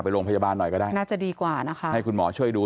โรงพยาบาลหน่อยก็ได้น่าจะดีกว่านะคะให้คุณหมอช่วยดู